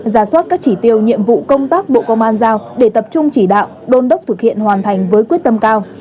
ra soát các chỉ tiêu nhiệm vụ công tác bộ công an giao để tập trung chỉ đạo đôn đốc thực hiện hoàn thành với quyết tâm cao